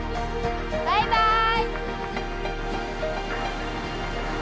バイバーイ！